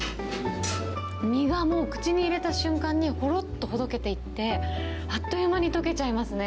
身がもう、口に入れた瞬間にほろっとほどけていって、あっという間にとけちゃいますね。